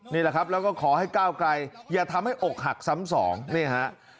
นี่แหละครับแล้วก็ขอให้ก้าวไกลอย่าทำให้อกหักซ้ำสองนี่ฮะ